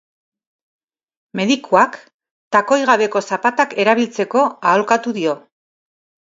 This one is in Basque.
Medikuak takoi gabeko zapatak erabiltzeko aholkatu dio.